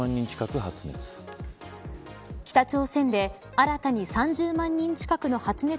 北朝鮮新たに３０万人近く発熱。